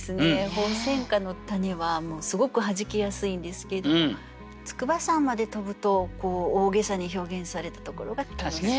鳳仙花の種はすごく弾けやすいんですけど「筑波山まで飛ぶ」と大げさに表現されたところが楽しい。